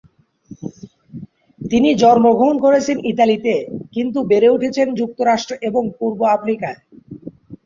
তিনি জন্মগ্রহণ করেছেন ইতালিতে, কিন্তু বেড়ে উঠেছেন যুক্তরাষ্ট্র এবং পূর্ব আফ্রিকায়।